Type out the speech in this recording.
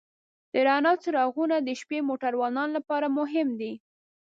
د رڼا څراغونه د شپې موټروان لپاره مهم دي.